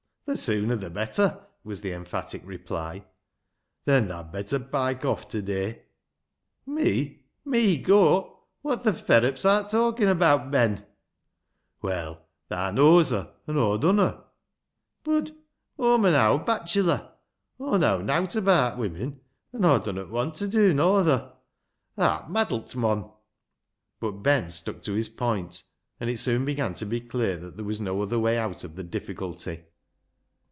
"The sewner the better," was the emphatic reply. "Then tha'd better pike off ta day." " Me ! me goa ! Wot th' ferrups art talkin' abaat, Ben ?"" Well, thaa knows her, an' Aw dunno." " Bud Aw'm an owd bachelor. Aw know nowt abaat women, an' Aw dunno want t' dew nother. Tha'rt maddlet, mon." But Ben stuck to his point, and it soon began to be clear that there was no other way out of the difficulty.